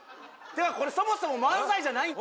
これそもそも漫才じゃない